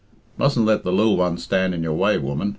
Mustn't let the lil one stand in your way, woman.